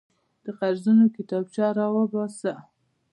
د قرضونو کتابچه راوباسه.